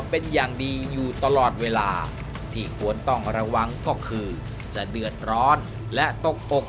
เป็นอย่างดีอยู่ตลอดเวลาที่ควรต้องระวังก็คือจะเดือดร้อนและตกอก